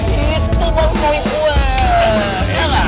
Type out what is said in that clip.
itu bener juga sebenarnya